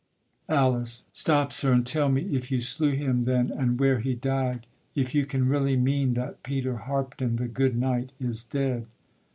ALICE. Stop, sir, and tell me if you slew him then, And where he died, if you can really mean That Peter Harpdon, the good knight, is dead?